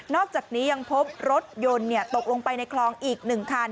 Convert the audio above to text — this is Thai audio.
อกจากนี้ยังพบรถยนต์ตกลงไปในคลองอีก๑คัน